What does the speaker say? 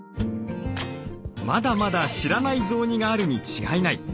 「まだまだ知らない雑煮があるに違いない」。